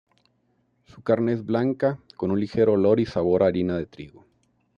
Su carne es blanca, con un ligero olor y sabor a harina de trigo.